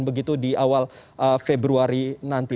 begitu di awal februari nanti